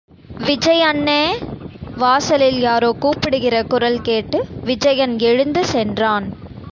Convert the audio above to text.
விஜய் அண்ணே! வாசலில் யாரோ கூப்பிடுகிற குரல் கேட்டு விஜயன் எழுந்து சென்றான்.